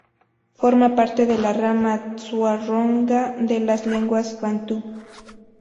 Forma parte de la rama Tswa-Ronga de las lenguas bantú.